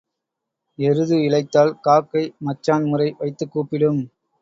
எருது இளைத்தால் காக்கை மச்சான் முறை வைத்துக் கூப்பிடும்.